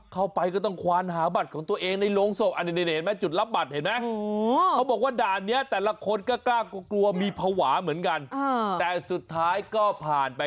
เข้าไปก็ต้องควานหาบัตรของตัวเองในโลงศพ